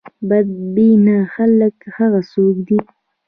بد بینه خلک هغه څوک دي.